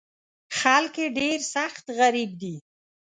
خلک یې ډېر سخت غریب دي.